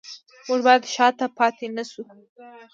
موږ باید شاته پاتې نشو